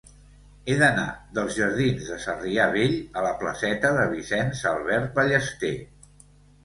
He d'anar dels jardins de Sarrià Vell a la placeta de Vicenç Albert Ballester.